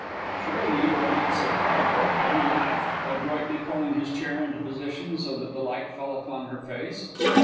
"Surely you are not so terrible!" he laughed, adroitly pulling his chair into position so that the light fell upon her face.